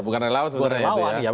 bukan relawan sebenarnya ya